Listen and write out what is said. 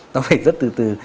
nó phải rất từ từ